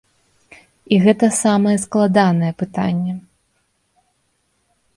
І гэта самае складанае пытанне.